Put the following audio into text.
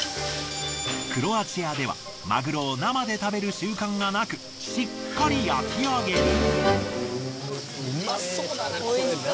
クロアチアではマグロを生で食べる習慣がなくしっかり焼き上げる。